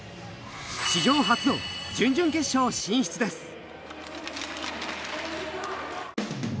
史上初の準々決勝進出です！